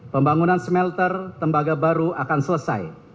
pembangunan smelter tembaga baru akan selesai